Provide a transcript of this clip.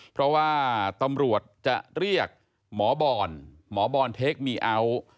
เพราะว่าตำรวจจะเรียกหมอบอลหมอบอลเทคมีอัล